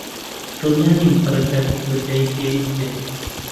دڵنیا نیم پەرەگرافی کۆتایی پێویست بێت.